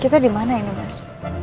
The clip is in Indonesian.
kita dimana ini mas